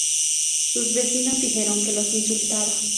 Sus vecinos dijeron que los insultaba.